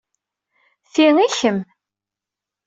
Ti i kemm.